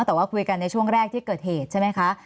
แต่ว่าคุยกันในช่วงแรกที่เกิดเหตุใช่ไหมคะ